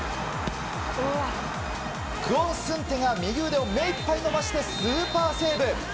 クォン・スンテが右腕を目いっぱい伸ばしてスーパーセーブ。